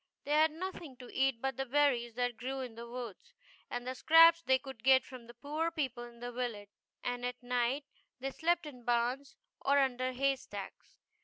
They had nothing to eat but the berries that grew in the woods, and the scraps they could get from the poor people in the village, and at night they slept in barns or under hay stacks.